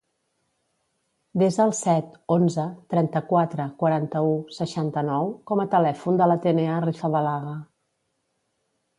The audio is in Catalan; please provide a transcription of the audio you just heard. Desa el set, onze, trenta-quatre, quaranta-u, seixanta-nou com a telèfon de l'Atenea Arrizabalaga.